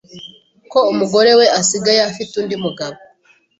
ko umugore we asigaye afite undi mugabo